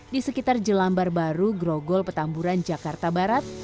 di sekitar jelambar baru grogol petamburan jakarta barat